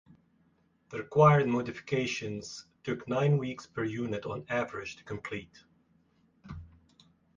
The required modifications took nine weeks per unit on average to complete.